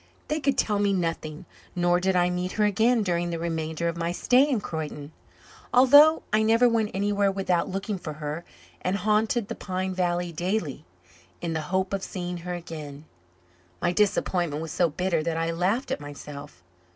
They could tell me nothing; nor did I meet her again during the remainder of my stay in Croyden, although I never went anywhere without looking for her, and haunted the pine valley daily, in the hope of seeing her again. My disappointment was so bitter that I laughed at myself.